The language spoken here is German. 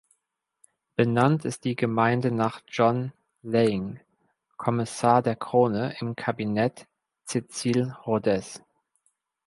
Benannt ist die Gemeinde nach John Laing, Kommissar der Krone im Kabinett Cecil Rhodes.